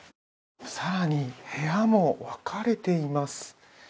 部屋も分かれています。